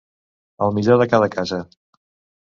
El millor de cada casa.